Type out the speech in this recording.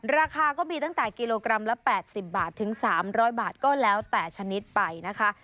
ราคาก็มีตั้งแต่กิโลกรัมละ๘๐บาทถึง๓๐๐บาทก็แล้วแต่ชนิดไปนะคะ